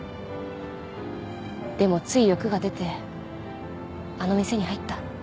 でもつい欲が出てあの店に入った。